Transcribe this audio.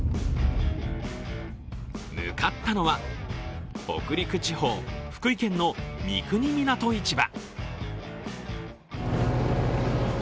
向かったのは北陸地方、福井県の三国港市場。